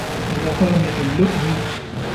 وَمَطَامِعِ اللُّؤْمِ